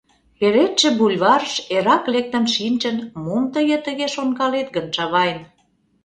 Пеледше бульварыш Эрак лектын шинчын, Мом тые тыге Шонкалет гын, Чавайн?